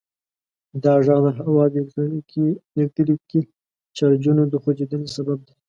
دا غږ د هوا د الکتریکي چارجونو د خوځیدو سبب دی.